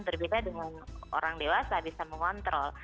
berbeda dengan orang dewasa bisa mengontrol